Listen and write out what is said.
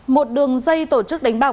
một đường dây tổ chức đánh bạc